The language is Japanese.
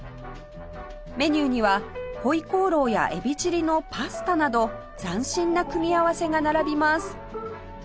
メニューにはホイコーローやエビチリのパスタなど斬新な組み合わせが並びます